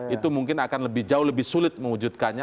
itu mungkin akan lebih jauh lebih sulit mewujudkannya